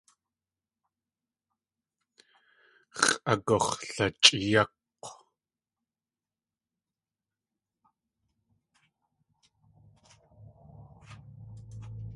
X̲ʼagux̲lachʼéeyák̲w.